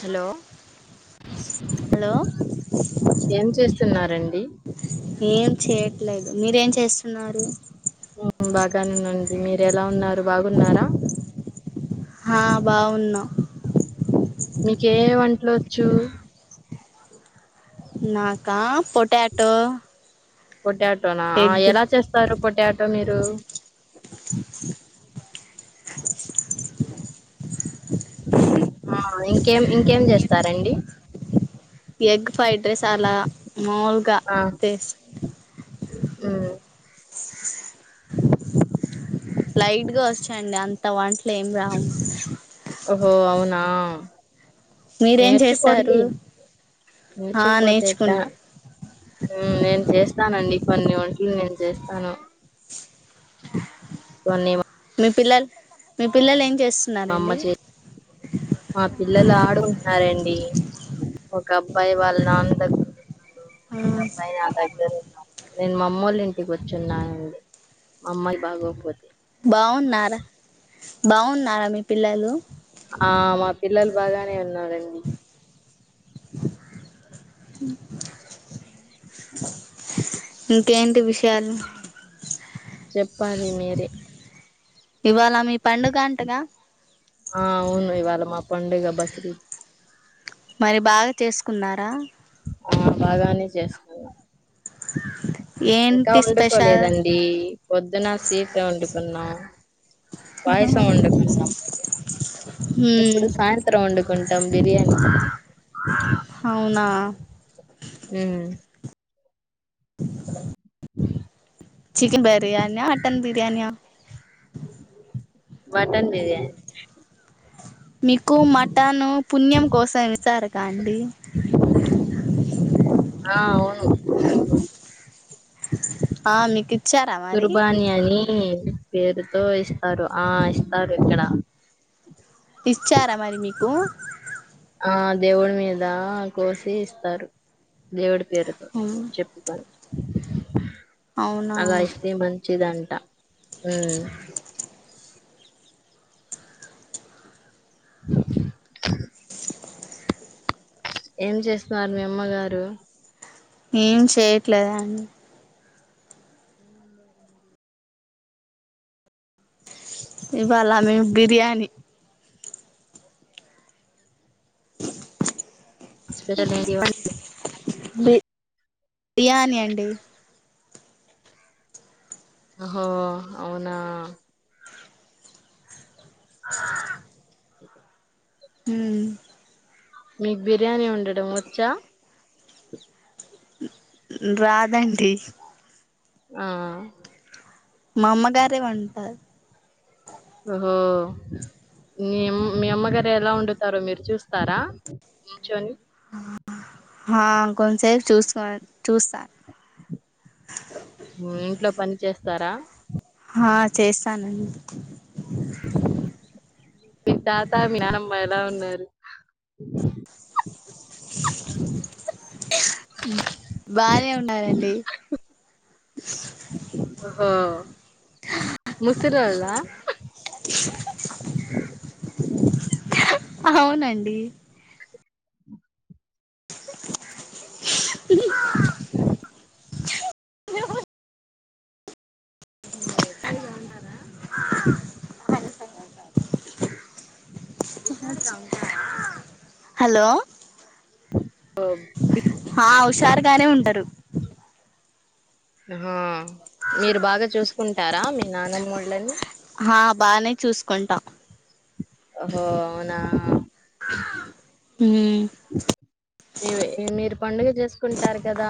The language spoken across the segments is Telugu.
హలో హలో ఏం చేస్తున్నారండి ఏం చేయట్లేదు మీరేం చేస్తున్నారు ఉమ్, బాగానేనండి మీరు ఎలా ఉన్నారు బాగున్నార ఉన్నా మీకే వంటలు చు నాక పొటాటో పొటాటో నా ఎగ్ ఎలా చేస్తారు పొటాటో ర మీరు [inaudible] ఆహ్ ఇంకేం ఇంకేం చేస్తారండి ఎగ్ ఫ్రైడ్ రైస్ అలా మావులుగా తెస్ ఆమ్ లైట్గా వచ్చాండి అంత వంట్లేం రావు ఓహో అవునా మీరేం చేస్తారు నేర్చుకోండి ఆ నేర్చుకుపోతేట నేర్చుకుంటా ఉమ్ నేను చేస్త్ స్తానండి కొన్ని వంటలు నేను చేస్తాను కోన్ని మీ పిల్లల్ మీ పిల్లలు ఎం అమ్మ చే మా పిల్లల ఆడుంటున్నారండి ఒక అబ్బాయి వాళ్ళ నాన్న దగ్గర ఉన్నారు ఆమ్ సరే నేను మా అమ్మళ్ళ ఇంటికి వచ్చున్నానండి మా అమ్మకి బాగోపోతే బావున్నారా బావున్నారా మీ పిల్లలు ఆ మా పిల్లలు బాగానే ఉన్నారండి ఇంకాేంటి విషయాలు చెప్పాలి మీరే ఇవాల మీ పండుగ అంటగా పంండుగా బక్రీద్ మరి బాగా చేసుకున్నారా ఆ బాగానే చేసుకున్నాం ఇంకా ఏంటి స్పెషల్ వండుకోలేదండి పొద్దున స్వీట్ వండుకున్నాం పాయసం హ్మ్ వండుకున్నాం ప ఎప్పుడు సాయంత్రం వండుకుంటాం బిర్యానీ అవునా అ చికెన్ బిర్యాన మటన్ బిర్యానీ య మటన్ బిర్యానీ మీకు మటన్ పుణ్యం కోసం ఇస్తారుగా అండి ఆ అవును. ఆ మీకు ఇచ్చారా మరి ని పేరుతో ఇస్తారు ఆ ఇస్తారు ఇక్కడ ఇచ్చారా మరి మీకు ఆ దేవుడి మీద కోసి ఇస్తారు దేవుడి పేరుతో చెప్పుకుని అవునా అలా ఇస్తే మంచిందింట ట ఆమ్ ఏం చేస్తున్నారు మీ అమ్మ గారు ఏం చేయట్లేదా అండి ఇవ్వాల మీమ్ బిర్యానీ హస్పిట బి బిర్యానీ అండి ఆహో అవునా ఆ ఉమ్ మీకు బిర్యానీ వండడం వచ్చా రాదండి ఆ మా అమ్మగారే వండుతారు ఓహో మీమ్ మీ అమ్మగారు ఎలా వండుతారో మీరు చూస్తారా నిల్చొని హా కొంత్ సెప్ చూసుకో చూస్తా స్తరా ఆ చేస్తానండి మీ తాత మీ నానమ్మ ఎలా ఉన్నారు బాగానే ఉన్నారండి ఓ మీ స్ిరళ అవునండి ఇ ఇ హలో ఆ హుషారుగానే ఉంటరు హా మీరు బాగా చూసుకుంటారా మీ నానమ్మోళ్ళని ఆ బానే చూసుకుంటాం హో ఉ అవునా ఇవి మీరు పండుగ చేసుకుంటారు కదా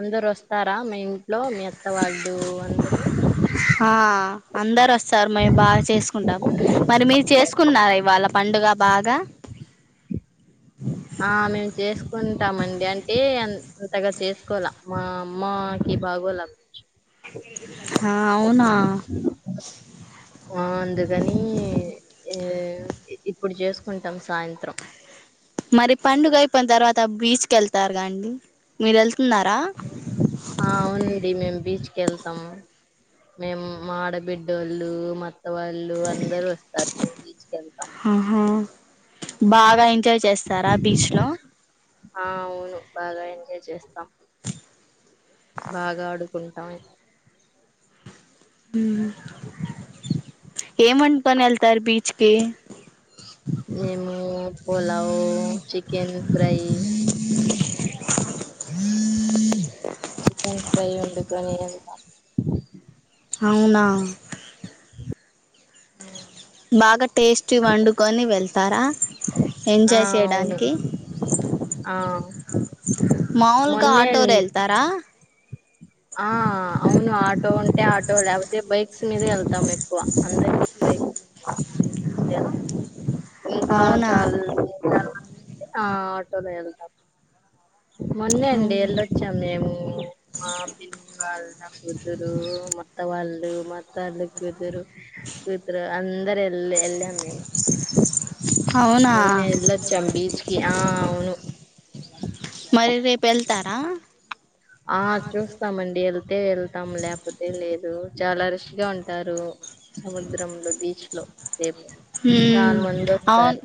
అందరు వస్తారా మా ఇంట్లో మీ అత్త వాళ్ళు అందరూ ఆ అందరూ వస్తా సార్ మేము బాగా చేసుకుంటాం మరి మీరు చేసుకున్నారా ఇవాళ పండుగ బాగా ఆ మేము చేసుకుంటామండి అంటే అంతగా చేసుకోలే మా అమ్మకి బాగోలే హా అవునా ఆ అందుకని ఇప్పుడు చేసుకుంటాం సాయంత్రం మరి పండుగ అయిపోయిన తర్వాత బీచ్ క వెళ్తారు ండి మీరు వెళ్తున్నారా ఆ ఉవునుడి మం బీచ్కిెళ్తాం మేము మాడబిడ్డోళ్ళు మ వాళ్ళు అందరుూ వస్తారు మేము బీచ్కి వెళ్తాం ఆహా బాగా ఎంజాయ్ చేస్తారా బీచ్ లో ఆ అవును బాగా ఎంజాయ్ చేస్తాం బాగా ఆడుకుంటాం ఏంంట పని వెళ్తారు బీచ్కి నిేమో పులావ చికెన్ ఫ్రై ఆ చికెన్ ఫ్రై ఉంటకుని వెళ్తా అవునా బాగా టేస్టీ వండుకొని వెళ్తారా ఆ ఎంజాయ్ అవును చేయడానికి అ ఆ మాముూలుగా మొన్నే ఆటోలో వెళ్తారా ఆ అవును ఆటో ఉంటే ఆటో లేకపోతే బైక్స్ మీదే వెళ్తాం ఎక్కువ అందరి అ ఏకా అవునా చాల ఆ ఆటోమ ఎంతా మొన్న అండి అవును ఎల్ళొచ్చాం మేము మా పిలి వాళ్ళ కూతురు మొత్త వాళ్ల్ మాట్డ సత్ర అందర ఎల్ ఎల్ అమ్ మేము అవునా మొన్నే వెళ్ళొచ్చాం బీచ్ కి ఆ అవును మరి రేపు వెళ్తారా ఆ చూస్తామండి అది అతే వెళ్తాము లేకపోతే లేదు చాలా రుచిగా ఉంటారు సముద్రంలో బీచ్ లో రేపు చాలా మంది అవును వస్తారు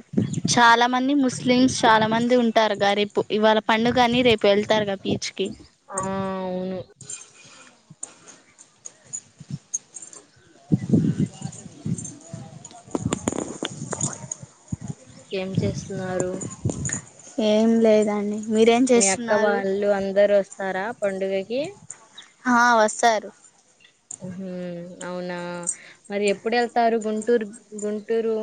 చాలా మంది ముస్లిమ్స్ చాలా మంది ఉంట తరకారిపు ఇవాళ పండుగని రేపు వెళ్తారుగా బీచ్ కి ఆ అవును ఏం చేస్తున్నారు ఏం లేదండి మీరేం మీ అక్క చేస్తున్నారు వాళ్ళు అందరుూ వస్త స్తారా పండుగకి ఆ వస్తారు ఉహు అవునా మరి ఎప్పుడు వెళ్తారు గుంటూరు గుం టురు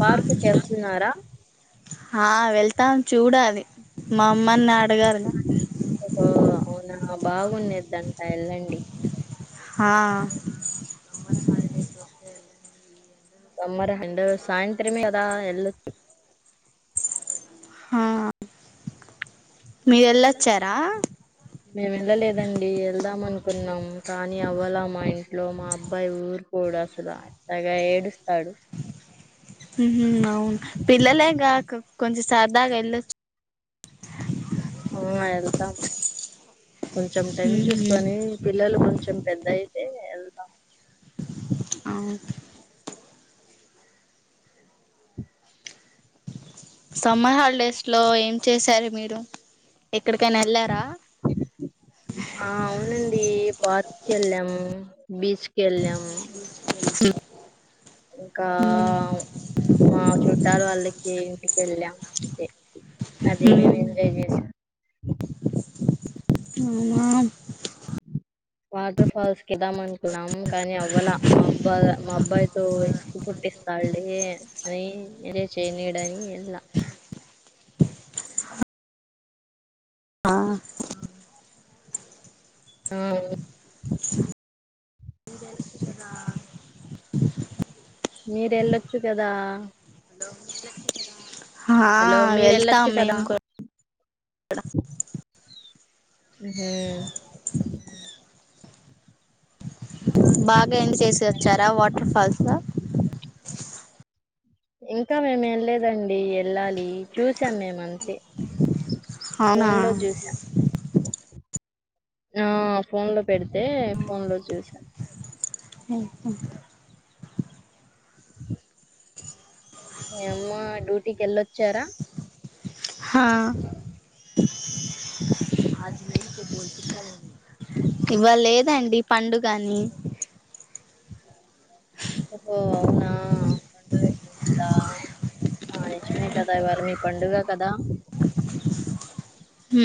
పార్కుకెళ్తున్నారా ఆ వెళ్తాం చూడాలి మ ఉ అవునా బాగున్నది అంట వెళ్ళండి హా సమ్మరు అండ్ సాయంత్రమే కదా వెళ్లొచ్చు హా మేము వెళ్ళలేదండి వెళ్దాం అనుకున్నాం కానీ అవలా మా ఇంట్లో మా అబ్బాయి ఊరుకోడు అసలు అంతగా ఏడుస్త ఉహు అవును పిల్లలేగా కొంచెం సరదాగా వెళ్ళొచ్ ఆ వెళ్తాం కొంచెం టైం ఉహు చూసుకొని పిల్లలు కొంచెం పెద్దగాయితే వెళ్తాం అవున్ సమ్మర్ హాలిడేస్ లో ఏం చేశారు మీరు లో ఆ అవునండి పార్క్ కి వెళ్ళాము బీచ్ కి వెళ్ళాము ఇంకా మా చుట్టాలు వాళ్ళకి ఇంటికి వెళ్ళాం అంతే అదే మేము అవునా ఎంజాయ్ చేసాం అవునాం వాటర్ ఫాల్స్ కి వెళ్దామని కున్నాము కానీ అవ్వలా మా అబ్బా మా అబ్బాయితో విసుకు పుట్టిస్తడుల్లే అని నేనే ఎంజాయ్ చేయనియడని వెళ్ళ ఆ ఆహా మీరు వెళ్ళొచ్చు కదా హా హలో మీరు వెళ్తాం వెళ్ళొచ్చు కదా మేము కూడా ఉహు బాగా ఎంజాయ్ చేసి వచ్చారా వాటర్ ఫాల్స్ లో ఇంకా మేము వెళ్లేదండి ఎళ్ళాలి చూసాం మేము అంతే అవునా ఫోన్ లో చూసాం ఆ ఫోన్ లో పెడితే ఫోన్ లో చూసాను ఇక మీ అమ్మ డ్యూటీకి వెళ్ళొచ్చారా హా ఆజ మీ కబూ ఇవా లేదండి పండుగని ఓహో అవునా పండుగ ఎకుంటదా నిజమే కదా ఇవళ మీ పండుగ కదా హ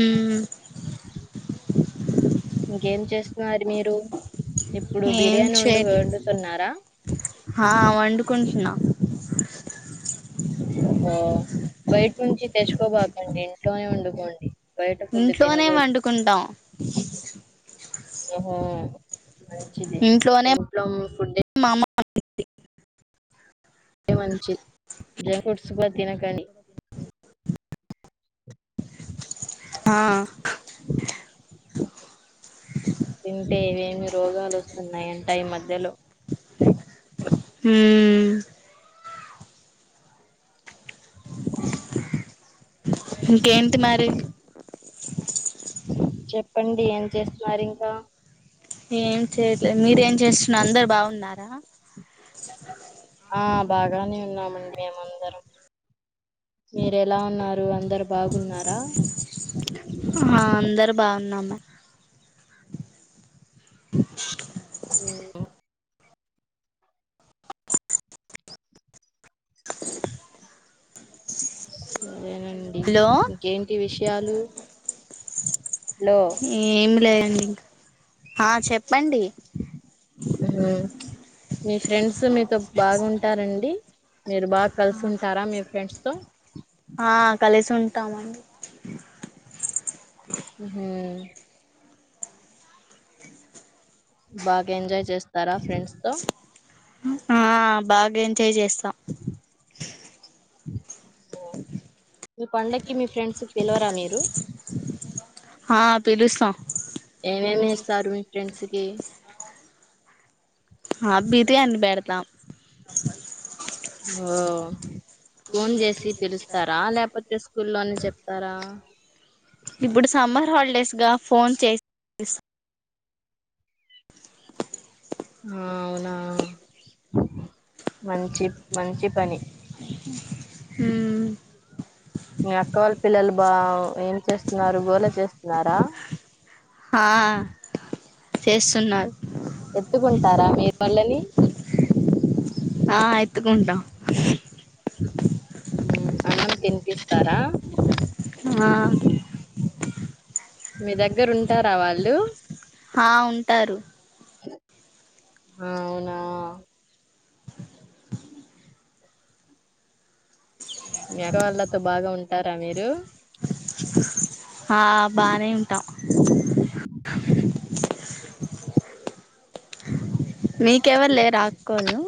ఇంకేం చేస్తున్నారు మీరుప్పు ఏం చేయ వండుకుంటున్నా బయటి నుంచి తెచ్చుకోబాకండి ఇంట్లోనే వండుకోండి బయట ఫుడ్ ఇంట్లోనే తినకూడదు వండుకుంటాం ఆ మంచిది ఇంట్లో ఫుడ్ అ మంచిది డ్రై ఫ్రూట్స్ కూడా తిన కానీ ఆా ఏ అంటే ఏమేమి రోగాలు వస్తాయి ఉన్నాంటై మధ్యలో హ [inaudible] ఇంకేంటి మరి [inaudible] చెప్పండి ఏం చేస్తున్నారు ఇంకా ఏం చేయట్లేదు మీర ఏం చేస్తున్న అందరు బాగున్నారా ఆ బాగానే ఉన్నామండి మేమందరం మీరు ఎలా ఉన్నారు అందరు బాగున్నారా ఆ అందరు బాగున్నామ్మా అ స అదేనండి హలో ఇంకేంటి విషయాలు లో ఏమి లేయంండి ఇంకా ఆ చెప్పండి ఆ మీ ఫ్రెండ్స్ మీతో బాగుంటారండి మీరు బాగా కలిసి ఉంటారా మీ ఫ్రెండ్స్ తో సుంటామన్ హ బాగా ఎంజాయ్ చేస్తారా ఫ్రెండ్స్ తో ఆ బాగా ఎంత చేయి చేస్తాం మీ పండకి మీ ఫ్రెండ్స్ పిలవరా మీరు హ పిలుస్తాం ఏమేమి ఇస్తారు మీ ఫ్రెండ్స్ కి ఆ బీదే అని బేడదాం ఓ ఫోన్ చేసి పిలుస్తారా లేకపోతే స్కూల్లోనే చెప్ తరా ఇప్పుడు సమ్మర్ హాలిడేస్గా ఫోన్ చేసి ఆ అవునా మంచి మంచి పని హు న అక్క వాళ్ళ పిల్లలు బా ఏం చేస్త న్నారు గోళ చేస్తున్నారా హ చేస్తున్నారు ఎత్తుకుంటారా మీరు పళ్ళని ఆ ఎత్తుకుంటాం ఉ అన్నం తినిపిస్తారా ఆ మీ దగ్గర ఉంటారా వాళ్ళు ఆ ఉంటారు ఆ అవునా మీ ఆడవాళ్ళతో బాగా ఉంటారా మీరు ఆ బానే ఉంటాం మీకెవరు లేరా అకోల్లు